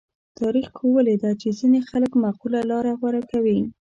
تاریخ ښوولې ده چې ځینې خلک معقوله لاره غوره کوي.